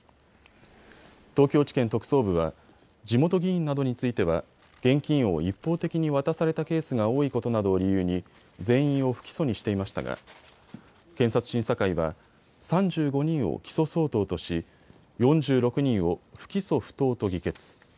東京地検特捜部は地元議員などについては現金を一方的に渡されたケースが多いことなどを理由に全員を不起訴にしていましたが検察審査会は３５人を起訴相当とし４６人を不起訴不当と議決。